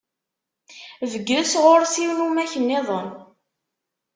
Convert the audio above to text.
Bges, ɣur-s inumak-nniḍen.